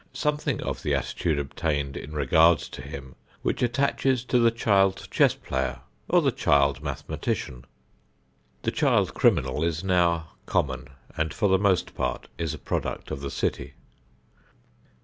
Something of the attitude obtained in regard to him which attaches to the child chess player or the child mathematician. The child criminal is now common, and for the most part is a product of the city.